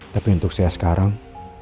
tapi untuk saya sekarang